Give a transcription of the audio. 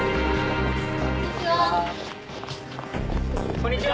こんにちは。